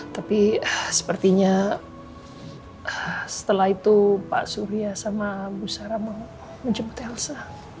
tapi sepertinya setelah itu pak surya sama bu sarah mau menjemput elsa